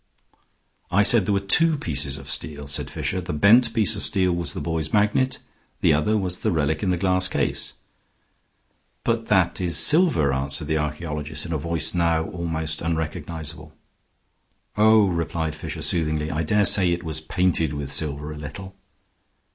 "I said there were two pieces of steel," said Fisher. "The bent piece of steel was the boy's magnet. The other was the relic in the glass case." "But that is silver," answered the archaeologist, in a voice now almost unrecognizable. "Oh," replied Fisher, soothingly, "I dare say it was painted with silver a little."